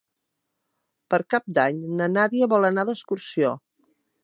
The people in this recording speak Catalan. Per Cap d'Any na Nàdia vol anar d'excursió.